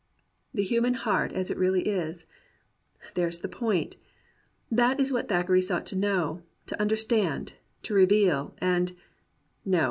The human heart as it really is — there's the point ! That is what Thackeray sought to know, to under stand, to reveal, and — no